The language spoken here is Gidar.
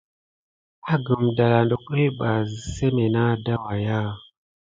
Agum danla na kulɓa siseme nat da wakiya.